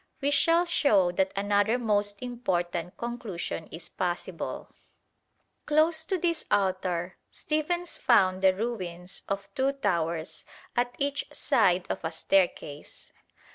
We shall show that another most important conclusion is possible. Close to this altar Stephens found the ruins of two towers at each side of a staircase.